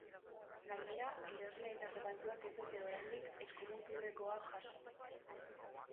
Gainera, erosleetako batzuek ez dute oraindik eskumuturrekoa jaso.